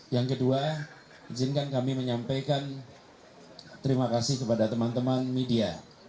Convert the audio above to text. yang kedua izinkan kami menyampaikan terima kasih kepada teman teman media